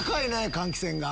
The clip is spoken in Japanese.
換気扇が。